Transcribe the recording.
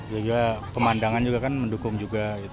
ya juga pemandangan juga kan mendukung juga